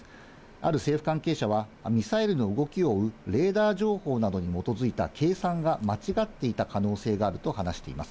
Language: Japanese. ある政府関係者はミサイルの動きを追うレーダー情報などに基づいた計算が間違っていた可能性があると話しています。